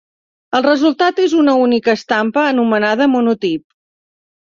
El resultat és una única estampa, anomenada monotip.